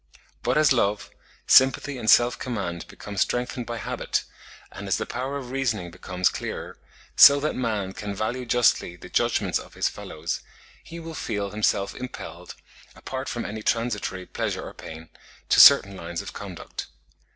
But as love, sympathy and self command become strengthened by habit, and as the power of reasoning becomes clearer, so that man can value justly the judgments of his fellows, he will feel himself impelled, apart from any transitory pleasure or pain, to certain lines of conduct.